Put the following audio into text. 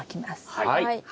はい。